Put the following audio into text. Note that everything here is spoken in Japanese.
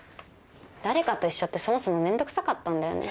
誰かと一緒ってそもそもめんどくさかったんだよね。